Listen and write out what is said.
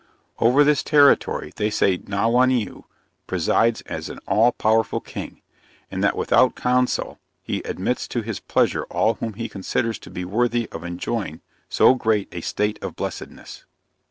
Over this territory they say Nauwaneu presides as an all powerful king; and that without counsel he admits to his pleasures all whom he considers to be worthy of enjoying so great a state of blessedness.